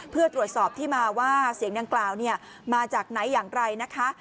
เพื่อตรวจสอบที่มาว่าเสียงดังกล่าวมาจากไหนอย่างไรนะคะ